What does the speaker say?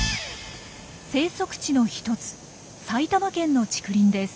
生息地の一つ埼玉県の竹林です。